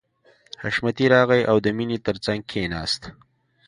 حشمتي راغی او د مینې تر څنګ کښېناست